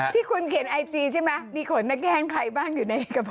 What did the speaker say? ที่คุณเขียนไอจีใช่ไหมมีคนมาแกล้งใครบ้างอยู่ในกระเ